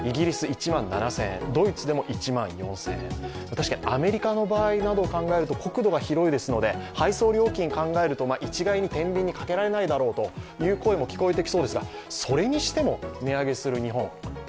確かにアメリカの場合などを考えると国土が広いですので配送料金を考えると一概にてんびんにかけられないだろうという声も聞こえてきそうですが、それにしても値上げする日本。